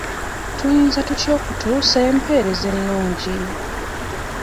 Tuyinza tutya okutuusa empeereza ennungi?